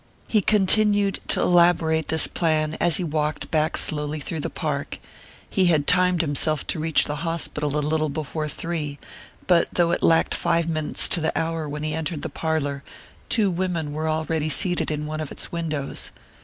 He continued to elaborate this plan as he walked back slowly through the Park, He had timed himself to reach the hospital a little before three; but though it lacked five minutes to the hour when he entered the parlour, two women were already seated in one of its windows.